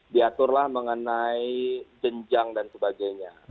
diaturlah mengenai jenjang dan sebagainya